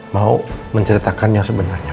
mau menceritakan yang sebenarnya